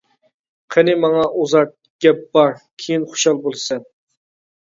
قېنى ماڭا ئۇزارت، گەپ بار، كېيىن خۇشال بولىسەن.